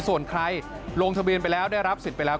ส่วนใครลงทะเบียนไปแล้วได้รับสิทธิ์ไปแล้ว